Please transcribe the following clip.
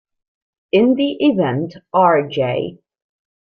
In the event, R. J.